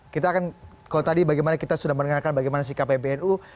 kita akan kalau tadi bagaimana kita sudah mendengarkan bagaimana sikap pbnu